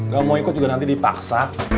gak mau ikut juga nanti dipaksa